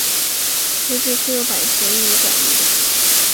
国际私法有狭义与广义的。